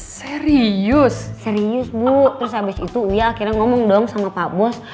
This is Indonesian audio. serius serius bu terus abis itu ia akhirnya ngomong dong sama pak bos